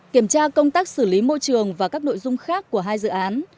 kiểm tra công tác xử lý môi trường và các nội dung khác của hai dự án